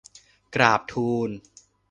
กราบทูล